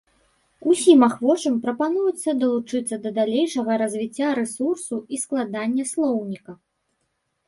Усім ахвочым прапануецца далучыцца да далейшага развіцця рэсурсу і складання слоўніка.